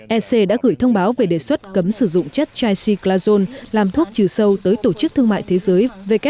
ec đã gửi thông báo về đề xuất cấm sử dụng chất chi blazon làm thuốc trừ sâu tới tổ chức thương mại thế giới